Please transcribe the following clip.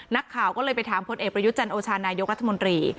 นักข่าวก็เลยไปถามพลเอกประยุทธ์จันโอชานายกรัฐมนตรี